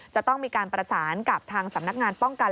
จะต้องมีการประสานกับทางสำนักงานป้องกัน